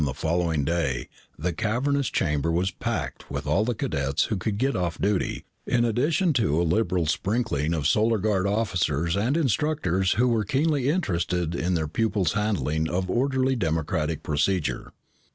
the following day the cavernous chamber was packed with all the cadets who could get off duty, in addition to a liberal sprinkling of Solar Guard officers and instructors who were keenly interested in their pupils' handling of orderly democratic procedure.